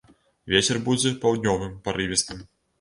Вецер будзе паўднёвым, парывістым.